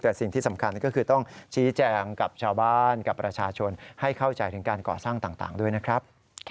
แต่สิ่งที่สำคัญก็คือต้องชี้แจงกับชาวบ้านกับประชาชนให้เข้าใจถึงการก่อสร้างต่างด้วยนะครับ